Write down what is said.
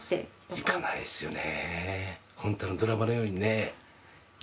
いかないですよね